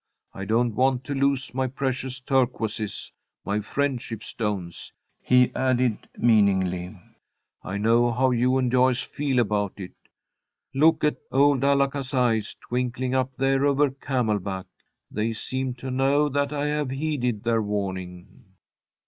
I don't want to lose my precious turquoises my friendship stones," he added, meaningly. "I know how you and Joyce feel about it. Look at old Alaka's eyes, twinkling up there over Camelback. They seem to know that I have heeded their warning."